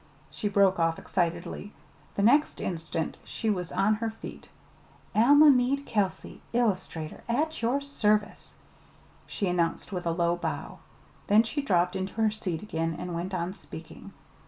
she broke off excitedly. The next instant she was on her feet. "Alma Mead Kelsey, Illustrator; at your service," she announced with a low bow. Then she dropped into her seat again and went on speaking.